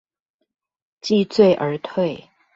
既醉而退